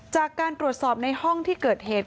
จากการตรวจสอบในห้องที่เกิดเหตุ